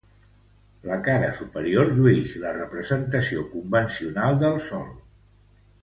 La cara superior lluïx la representació convencional del sol.